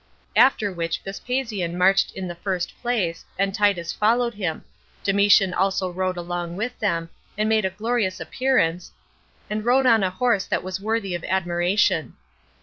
After which Vespasian marched in the first place, and Titus followed him; Domitian also rode along with them, and made a glorious appearance, and rode on a horse that was worthy of admiration.